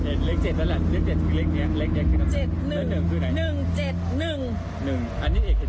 เห็นเล็ก๗เฉพาะละเล็กการเล็กนี้